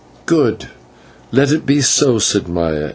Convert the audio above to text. "Good, let it be so," said Maya.